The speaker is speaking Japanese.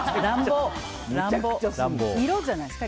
色じゃないですか。